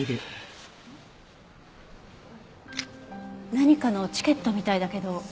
何かのチケットみたいだけど。